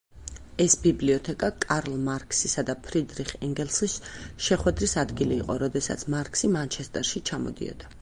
ეს ბიბლიოთეკა კარლ მარქსისა და ფრიდრიხ ენგელსის შეხვედრის ადგილი იყო, როდესაც მარქსი მანჩესტერში ჩამოდიოდა.